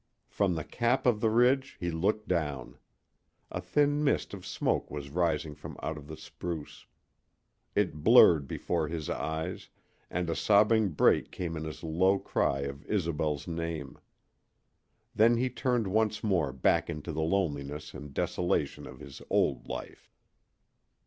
From the cap of the ridge he looked down. A thin mist of smoke was rising from out of the spruce. It blurred before his eyes, and a sobbing break came in his low cry of Isobel's name. Then he turned once more back into the loneliness and desolation of his old life.